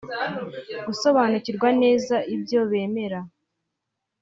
gusobanukirwa neza ibyo bemera